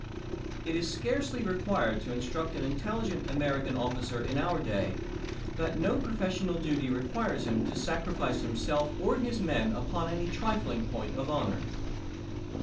\t p'. ^L It is scarcely required to instruct an intelligent American officer in our day, that no professional duty requires him to sacrifice himself or his men upon any trifling point of honor.